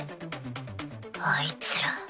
あいつら。